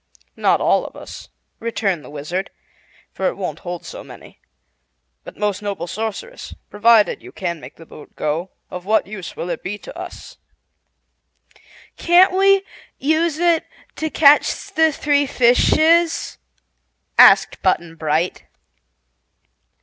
"Not all of us," returned the Wizard, "for it won't hold so many. But, most noble Sorceress, provided you can make the boat go, of what use will it be to us?" "Can't we use it to catch the three fishes?" asked Button Bright.